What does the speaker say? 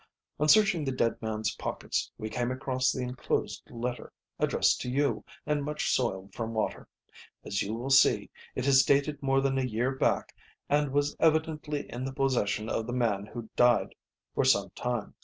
"On searching the dead man's pockets we came across the enclosed letter, addressed to you, and much soiled from water. As you will see, it is dated more than a year back and was evidently in the possession of the man who died for some time.